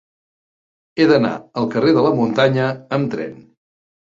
He d'anar al carrer de la Muntanya amb tren.